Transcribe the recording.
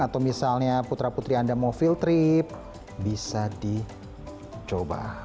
atau misalnya putra putri anda mau field trip bisa dicoba